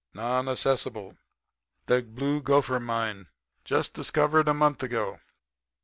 Non assessable. The Blue Gopher mine. Just discovered a month ago.